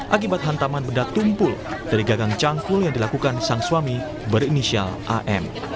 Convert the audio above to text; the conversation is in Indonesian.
akibat hantaman benda tumpul dari gagang cangkul yang dilakukan sang suami berinisial am